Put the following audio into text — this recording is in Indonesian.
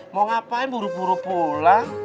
mau ngapain buru buru pulang